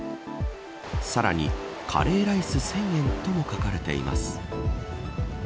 さらに、カレーライス１０００円とも書かれています。